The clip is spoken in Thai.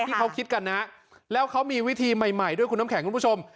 ที่เขาคิดกันนะแล้วเขามีวิธีใหม่ด้วยคุณน้ำแข็งคุณผู้ชม